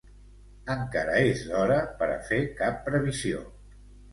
Encara és d’hora per a fer cap previsió.